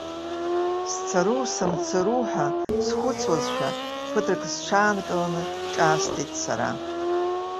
Сцару, сымцару ҳәа схәыцуазшәа, ԥыҭрак сҽаанкыланы ҿаасҭит сара.